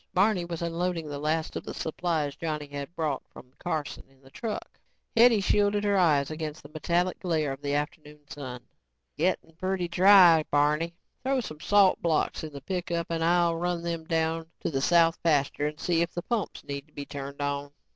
Barney was unloading the last of the supplies Johnny had brought from Carson in the truck. Hetty shielded her eyes against the metallic glare of the afternoon sun. "Gettin' pretty dry, Barney. Throw some salt blocks in the pickup and I'll run them down to the south pasture and see if the pumps need to be turned on.